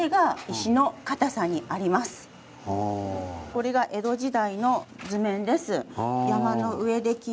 これが江戸時代の図面です。